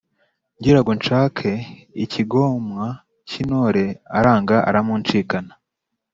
ngira ngo nshake ikigomwa cy’intore, aranga aramunshikana